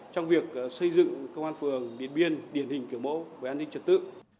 trong việc xây dựng công an phường điện biên điển hình kiểu mẫu về an ninh trật tự